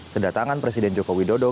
kedatangan presiden jokowi dodo